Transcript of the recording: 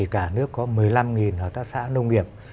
cả nước có một mươi năm hợp tác xã nông nghiệp